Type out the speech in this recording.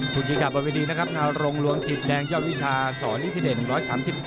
ภูจิครับบริเวณีนะครับนารงค์รวมจิตแดงเยาวิชาสอนิทธิเดช๑๓๘